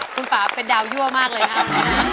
คุณป่าเป็นดาวยั่วมากเลยครับ